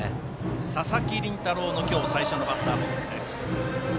佐々木麟太郎の今日、最初のバッターボックス。